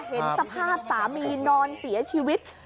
เห็นสภาพสามีนอนเสียชีวิต